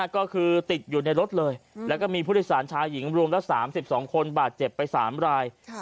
ก็คือติดอยู่ในรถเลยแล้วก็มีผู้โดยสารชายหญิงรวมละ๓๒คนบาดเจ็บไป๓ราย